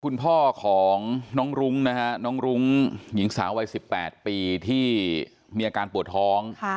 คุณพ่อของน้องรุ้งนะฮะน้องรุ้งหญิงสาววัย๑๘ปีที่มีอาการปวดท้อง